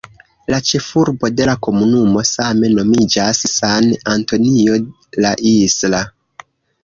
La ĉefurbo de la komunumo same nomiĝas "San Antonio la Isla".